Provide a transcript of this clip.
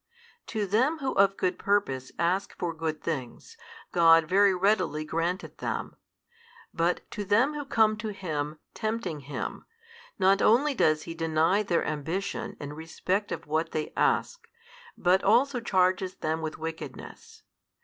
To them who of good purpose ask for good things, God very readily granteth them: but to them who come to Him, tempting Him, not only does He deny their ambition in respect of what they ask, but also charges them with wickedness.